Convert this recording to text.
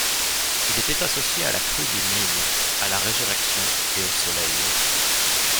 Il était associé à la crue du Nil, à la résurrection et au Soleil.